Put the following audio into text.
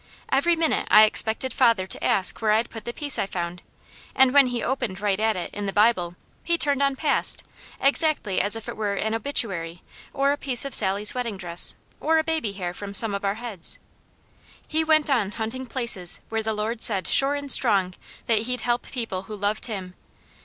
Every minute I expected father to ask where I'd put the piece I found, and when he opened right at it, in the Bible, he turned on past, exactly as if it were an obituary, or a piece of Sally's wedding dress, or baby hair from some of our heads. He went on hunting places where the Lord said sure and strong that He'd help people who loved Him.